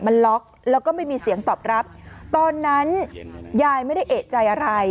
มันล็อกแล้วก็ไม่มีเสียงตอบรับตอนนั้นยายไม่ได้เอกใจอะไร